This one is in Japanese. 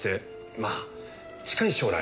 まあ近い将来